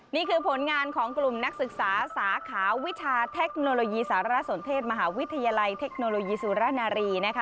นี่คือผลงานของกลุ่มนักศึกษาสาขาวิชาเทคโนโลยีสารสนเทศมหาวิทยาลัยเทคโนโลยีสุรณารีนะคะ